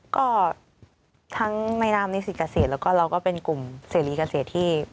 ก็ทั้งในนามนิสิตเกษตรแล้วก็เราก็เป็นกลุ่มเสรีเกษตรที่